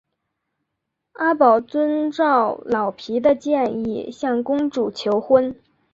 阿宝遵照老皮的建议向公主求婚。